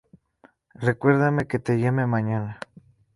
Recuérdame que te llame mañana